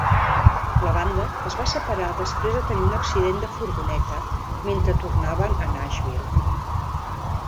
La banda es va separar després de tenir un accident de furgoneta mentre tornaven a Nashville.